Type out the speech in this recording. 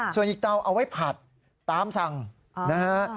ส่วนอีกเตาเอาไว้ผัดตามสั่งนะฮะ